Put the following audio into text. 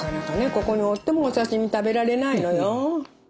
ここにおってもお刺身食べられないのよ。